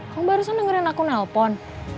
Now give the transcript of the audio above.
kamu barusan dengerin aku nelpon